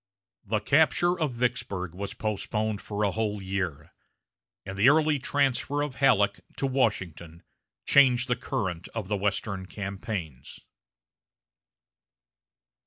The capture of Vicksburg was postponed for a whole year, and the early transfer of Halleck to Washington changed the current of Western campaigns.